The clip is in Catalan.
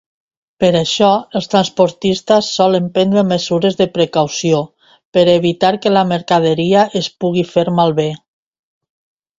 Per això, els transportistes solen prendre mesures de precaució per evitar que la mercaderia es pugui fer malbé.